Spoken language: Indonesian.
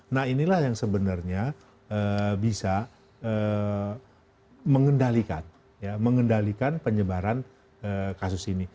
nah inilah yang sebenarnya bisa mengendalikan penyebaran kasus ini